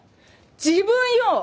自分よ！